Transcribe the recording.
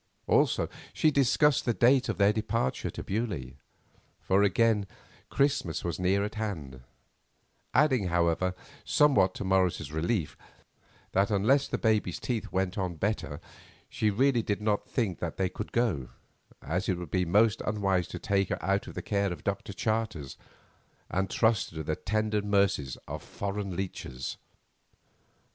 Also she discussed the date of their departure to Beaulieu, for again Christmas was near at hand; adding, however, somewhat to Morris's relief, that unless the baby's teeth went on better she really did not think that they could go, as it would be most unwise to take her out of the care of Dr. Charters and trust her to the tender mercies of foreign leeches.